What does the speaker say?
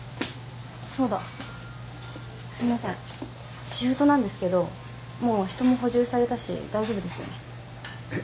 そうだすいませんシフトなんですけどもう人も補充されたし大丈夫ですよねえっ